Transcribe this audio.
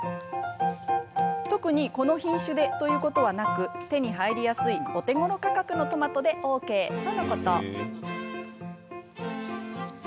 特に、この品種でということはなく手に入りやすいお手ごろ価格のトマトでＯＫとのこと。